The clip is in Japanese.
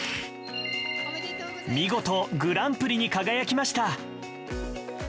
見事、グランプリに輝きました。